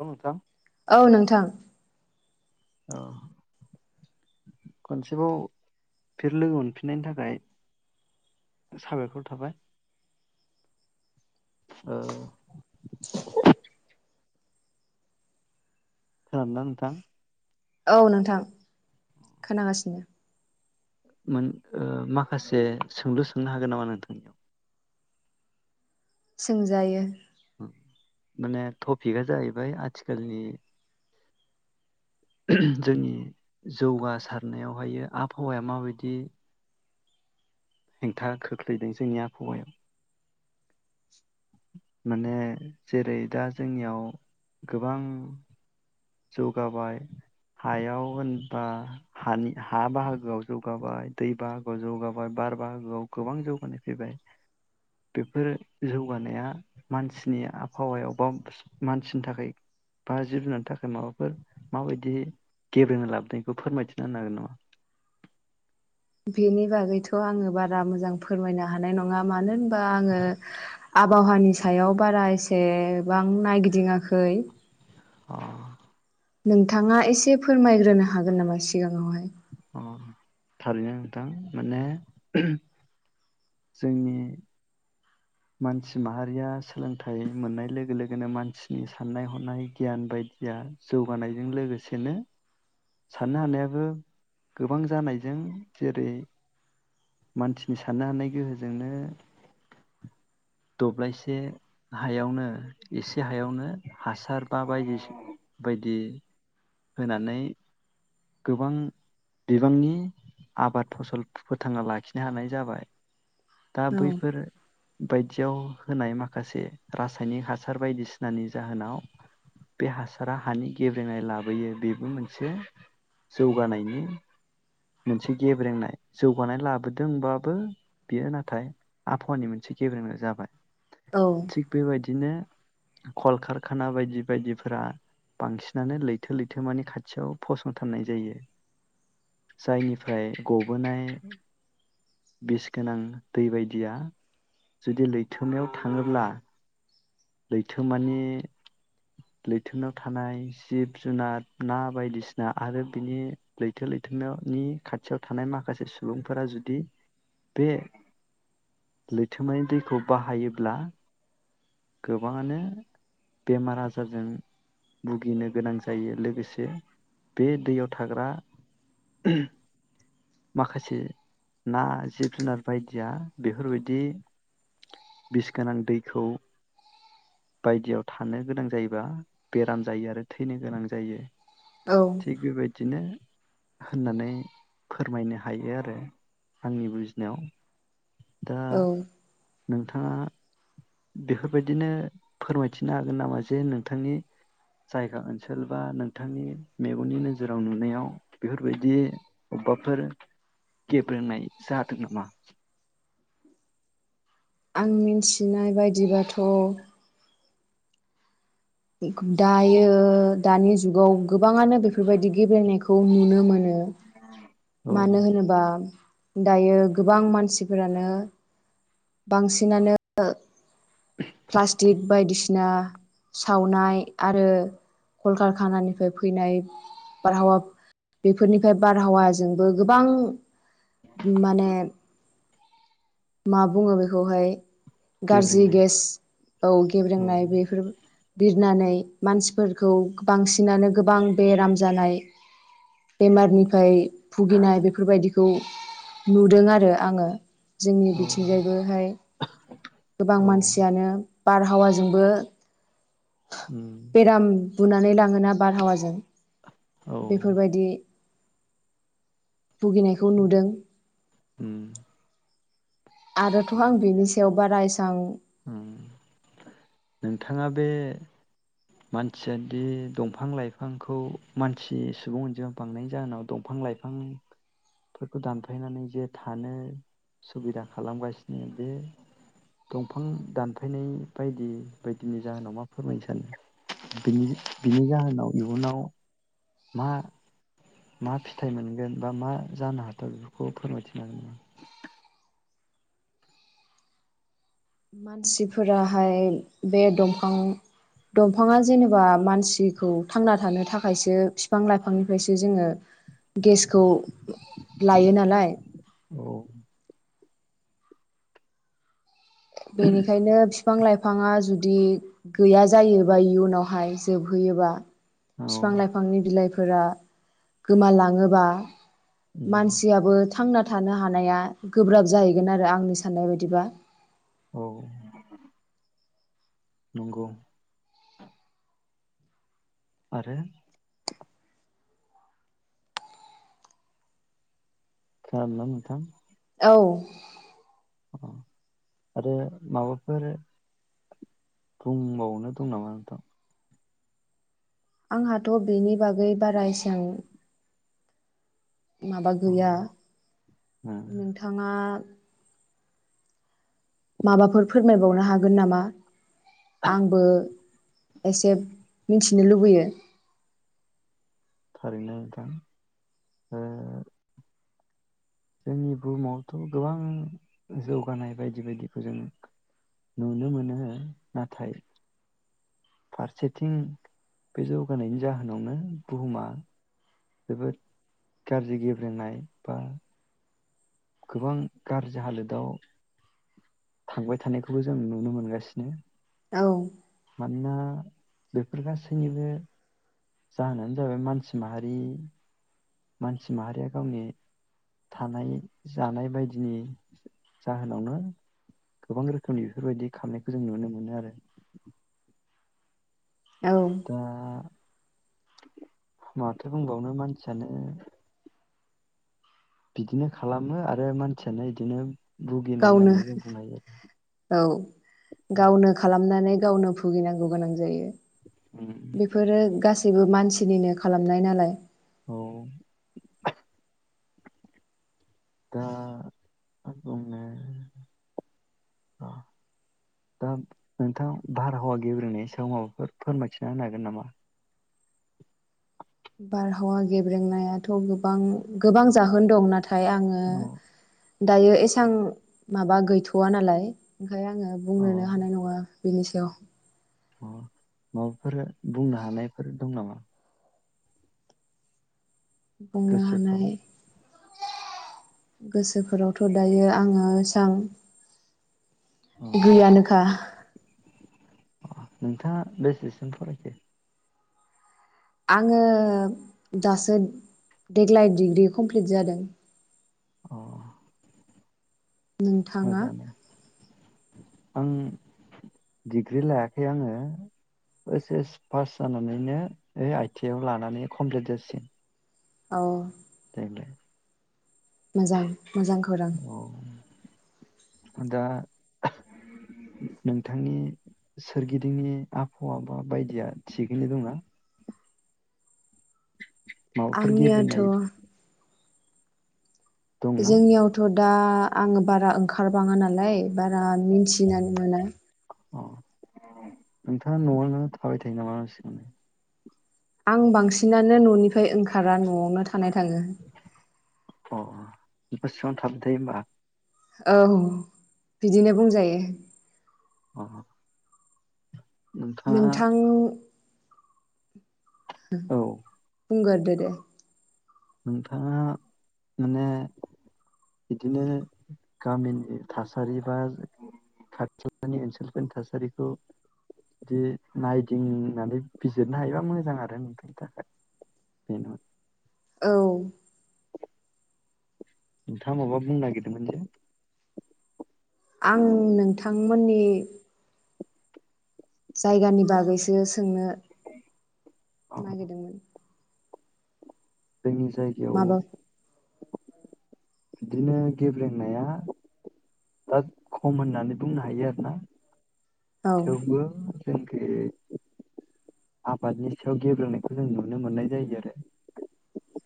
औ नोंथां औ नोंथां। औ खनसेबाव बे फिन लोगो मोनफिननायनि थाखाय साबायखर थाबाय। ओ खोनादों ना नोंथां? औ नोंथां खोनागासिनो। मोन ओ माखासे सोंलु सोंनो हागोन नामा नोंथांनाव? सोंजायो माने टपिकआ जाहैबाय आथिखालनि जोंनि जौगासारनायावहायो आबहावाया माबायदि हेंथा खोख्लैदों जोंनि आबहावायाव? माने जेरै दा जोंनियाव गोबां जौगाबाय हायाव होनबा हानि हा बाहागोआव जौगाबाय, दै बाहागोआव जौगाबाय, बार बाहागोआव गोबां जौगानाय फैबाय बेफोरो जौगानाया मानसिनि आबहावायाव बा मानसिनि थाखाय बा जिब जुनारनि थाखाय माबाफोर माबायदि गेब्रेंनाय लाबोदों बेखौ फोरमायथिना होनो हागोन नामा? बेनि बागैथ' आङो बारा मोजां फोरमायनो हानाय नङा मानो होनबा आङो आबहावानि सायाव बारा एसेबां नायगिदिङाखै। हागोन नोंथाङा एसे फोरमायग्रोनो हागोन नामा सिगाङावहाय? अ थारैनो नोंथां माने ओहोम जोंनि मानसि माहारिया सोलोंथाइ मोननाय लोगो लोगोनो मानसिनि साननाय हनाय गियान बायदिया जौगानायजों लोगोसेनो साननो हानायाबो गोबां जानायजों जेरै मानसिनि साननो हानाय गोहोजोंनो दब्लायसे हायावनो एसे हायावनो हासार बा बायदि- बायदि होनानै गोबां बिबांनि आबाद फसल फोथांना लाखिनो हानाय जाबाय। दा औ बैफोर बायदियाव होनाय माखासे रासायनिक हासार बायदिसिनानि जाहोनाव बे हासारा हानि गेब्रेनाय लाब बैयो बेबो मोनसे जौगानायनि मोनसे गेब्रेंनाय जौगानाय लाबोदोंबाबो बेयो नाथाय आबहावानि मोनसे गेब्रेंनाय जाबाय। औ थिक बेबायदि दिनो कलकारखाना बायदि बायदिफोरा बांसिनानो लै लैथो लैथोमानि खाथियाव फसंथारनाय जायो। जायनिफ्राय गबोनाय बिस गोनां दै बायदिया जुदि लैथोमायाव थाङोब्ला लैथोमानि लैथोनायाव थानाय जिब जुनार ना बायदिसिना आरो बिनि लैथो लैथोमानि खाथियाव थानाय माखासे सुबुंफोरा जुदि बे लैथोमानि दैखौ बाहायोब्ला गोबाङानो बेमार आजारजों भुगिनो गोनां जायो। लोगोसे बे दैयाव थाग्रा माखासे ना जिब जुनार बायदिया बेफोरबायदि बिस गोनां दैखौ बायदियाव थानो गोनां जायोबा बेराम जायो आरो थैनो गोनां जायो। औ थिग बेबायदिनो होननानै फोरमायनो हायो आरो आंनि बुजिनायाव। दा औ नोंथाङा बेफोर बायदिनो फोरमायथिनो हागोन नामा जे नोंथांनि जायगा ओनसोल बा नोंथांनि मेगननि नोजोराव नुनायाव बेफोरबायदि अबेबाफोर गेब्रेंनाय जादों नामा? आं मिन्थिनाय बायदिबाथ' दायो दानि जुगाव गोबाङानो बेफोरबायदि गेबेंनायखौ नुनो मोनो। [inaudible] मानो होनोबा माम दायो गोबां मानसिफोरानो बांसिनानो प्लास्टिक बायदिस ना सावनाय आरो कलकारखानानिफ्राय फैनाय बार हावा बेफोरनि बारहावा जोंबो गोबां माने मा बुङो बेखौहाय गाज्रि गेब्रेंनाय गेस औ औ गेब्रेेंनाय बेफोर बिरनानै मानसिफोरखौ बांसिनानो गोबां बेराम जानाय बेमारनिफ्राय भुगिनाय बेफोरबायदिखौ नुदों आरो आङो। जोंनि औ बिथिंजायबोहाय गोबां औ मानसियानो बारहावाजोंबो उम, बेराम बुनानै लाङोना बारहावाजों? औ बेफोरबायदि भुगिनायखौ नुदों। उम। आरोथ आं बिनि सायाव बारा एसां उम नोंथाङा बे मानसिया दि दंफां लाइफांखौ मानसि सुबुं अनजिमा बांनायनि जाहोनाव दंफां लाइफांफोरखौ दानफायनानै जे थानो सुबिदा खालामगासिनो बे दंफां दानफायनाय बायदि बायदिनि जाहोनाव मा फोरमायनो सानो? बिनि बिनि जाहोनाव इयुनाव मा मा फिथाइ मोनगोन बा मा जानो हाथाव बेफोरखौ फोरमायथिनो हागोन नामा? मानसिफोराहाय बे दंफां दंफाङा जेनेबा मानसिखौ थांना थानो थाखायसो बिफां लाइफांनिफ्रायसो जोङो गेसखौ लायो नालाय? औ बेनिखायनो फि फां लाइफाङा जुदि गैया जायोबा इयुनावहाय जोबहैयोबा औ बिफां लाइफांनि बिलाइफ फोरा गोमालां [unintelligible] बां उम मानसिआबो थांना थानो हानाया गोब्राब जाहैगोन आरो आंनि साननाय बायदिबा। औ नोंगौ आरो खालामला नोंथां औ अ आरो माबाफोर बुंबावनो दं नामा नोंथां? आंहाथ' बिनि बागै बारा एसां माबा अ गैया उम नोंथाङा माबाफोर फोरमायबावनो हागोन नामा? आंबो एसे मिथिनो लुबैयो। थारैनो नोंथां ओ जोंनि बुहुमावथ' गोबां जौगानाय बायदि बायदिखौ जों नुनो मोनो नाथाय फारसेथिं बे जौगानायनि जाहोनावनो बुहुमा जोबोद गाज्रि गेब्रेंनाय बा गोबां गाज्रि हालोदाव थांबाय थानायखौबो जों नुनो मोनगासिनो। औ मानोना बेफोर गासैनिबो जाहोनानो जाबाय मानसि माहारि मानसि माहारिया गावनि थानाय जानाय बायदिनि जाहोनावनो गोबां रोखोमनि बेफोरबायदि खालामामनायखौ जों नुनो मोनो आरो। औ दा माथो बुंबावनो मानसियानो बिदिनो खालामो आरो मानसियानो इदिनो गावनो औ गावनो खालामनानै गावनो भुगिनांगौ गोनां जायो आरो बेफोरो गासैबो मान सिनिनो खालामनाय नालाय औ दा आं बुंनो दा नोंथां बारहावा गेब्रेनायनि सायाव माबाफोर फोरमायथिना होनो हागोन नामा? बारहावा गेब्रेंनायाथ' गोबां गोबां जाहोन दं नाथ फाय आङो अ दायो एसां माबा गैथ'वा नालाय। ओमफाय आङो अ बुंनोनो हानाय नङा। बिनि सा [unintelligible] अ माबाफोर बुंनो हानायफोर दं नामा? बुंनो गोसोफ्राव हानाय गोसोफोरावथ' दायो आङो एसां अ गैयानोखा नोंथाङा बेसेसिम फरायखो आङो दासो देग्लाय डिग्रि कमप्लिट जादों अ नोंथाङा मोजाङानो आं डिग्रि लायाखै आङो ओस एस पास जानानैनो आइ टि आइ आव लानानै कमप्लिट जासिगोन औ नायनो मोजां मोजां खौरां औ दा नोंथांनि सोरगिदिंनि आबहाव बा बायदिया थिगैनो दं ना? माबाफोर आंनियाथ' गेब्रेंनाय दंना जोंनियावथ' दा आङो बारा ओंखारबाङो नालाय बारा मिन्थिनानै मोना अ नोंथाङा न'आव थाबाय थायो नामा सिगांनो? आं बांसिनानो न'निफ्राय ओंखारा न'आवनो थानाय थाङो अ बिसिबां थाबथायो होमबा औ बिदिनो बुंजायो अ नोंथाङा नोंथां उम औ बुंगोरदो दे नोंथाङा माने बिदिनो गामिनि थासारि बा खाथिलानि ओनसोलफोरनि थासारिखौ जुदि नायदिंनानै बिजिरनो हायोबा मोजां आरो नोंथांनि थाखाय बेनो औ नोंथाङ मबा बुंनो नागिरदोंमोन जे? आं नोंथांमोननि जायगानि बागैसो सोंनो अ नागिरदोंमोन? जोंनि जायगायाव माबा बिदिनो गेब्लेंनाया दा खम होननानै बुंनो हायो आरोना औ थेवबो जोंखि आबादनि सायाव गेब्रोंनायखौ जों नुनो मोननाय जायो आरो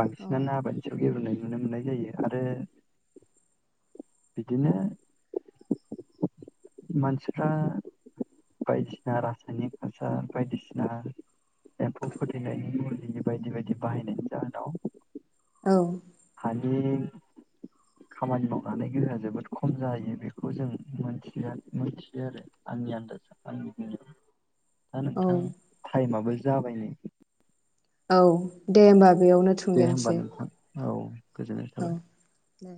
बांसि औ नानो आबादनि सायाव ग्रेब्रेंनाय नुनो मोननाय जायो आरो बिदिनो मानसिफ्रा बायदिसिना रासायनिक हासार बायदिसिना एम्फौ फोथैनायनि मुलि बायदि बायदि बाहायनायनि जाहोनाव औ नि खामानि मावनानै गोहोआ जोबोद खम जायो बेखौ जोंथि मोनथियो आरो आंनि आन्दाजा आंनि दा औ नोंथां टाइमाबो जाबाय नै औ दे होमबा बेयावनो दे होमबा थुंगेनोसै नोंथां औ गोजोननाय औ थाबाय। दे